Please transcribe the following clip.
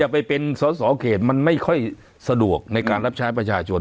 และเป็นสอเคงที่ไม่ค่อยสะดวกในการรับใช้ประชาชน